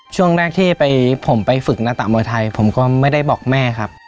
ช่วงแรกที่ผมไปฝึกนักตะมวยไทยผมก็ไม่ได้บอกแม่ครับ